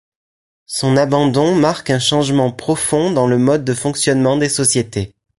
Son abandon marque un changement profond dans le mode de fonctionnement des sociétés.